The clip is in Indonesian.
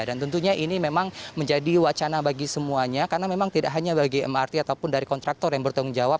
dan tentunya ini memang menjadi wacana bagi semuanya karena memang tidak hanya bagi mrt ataupun dari kontraktor yang bertanggung jawab